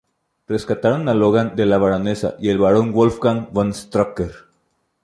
Rescataron a Logan de la baronesa y el barón Wolfgang von Strucker.